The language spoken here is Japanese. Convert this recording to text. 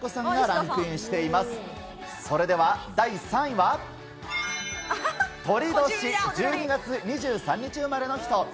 それでは第３位は酉年１２月２３日生まれの人。